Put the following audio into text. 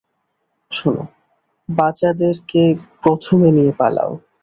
শোনো, বাঁচাদেরকে প্রথমে নিয়ে পালাও!